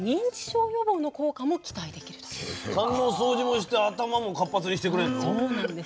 血管の掃除もして頭も活発にしてくれんの？